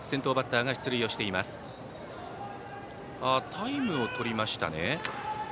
タイムを取りましたね。